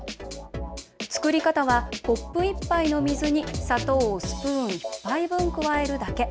作り方はコップ１杯の水に砂糖をスプーン１杯分加えるだけ。